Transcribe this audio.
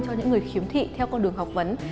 cho những người khiếm thị theo con đường học vấn